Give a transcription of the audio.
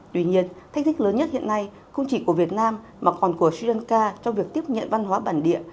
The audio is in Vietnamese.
tuy nhiên thách thức lớn nhất hiện nay không chỉ của việt nam mà còn của sri lanka trong việc tiếp nhận văn hóa bản địa